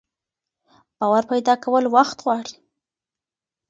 باور پيدا کول وخت غواړي.